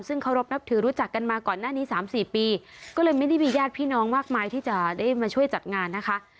ซึ่งเคารพนับถือรู้จักกันมาก่อนหน้านี้๓๔ปีก็เลยไม่ได้มีญาติพี่น้องมากมายที่จะได้มาช่วยจัดงานนะคะ